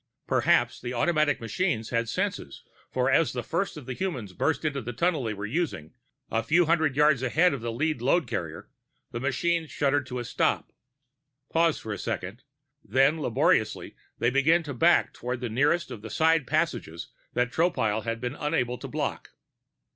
Perhaps the automatic machines had senses, for as the first of the humans burst into the tunnel they were using, a few hundred yards ahead of the lead load carrier, the machines shuddered to a stop. Pause for a second; then, laboriously, they began to back toward the nearest of the side passages that Tropile had been unable to block.